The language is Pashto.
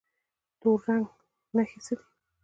د تور زنګ نښې څه دي؟